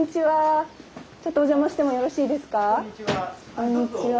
こんにちは。